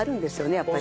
やっぱり。